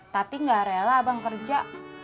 tapi gak rela bang kerja